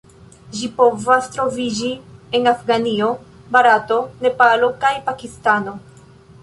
Ĝi povas troviĝi en Afganio, Barato, Nepalo kaj Pakistano.